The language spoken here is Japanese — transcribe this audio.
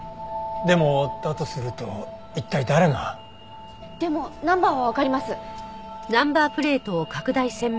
でもだとすると一体誰が？でもナンバーはわかります。